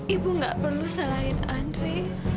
ibu gak perlu selain andre